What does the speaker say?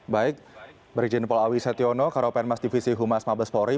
baik beri izin paul awi setiono karopanemas divisi humas mabes polri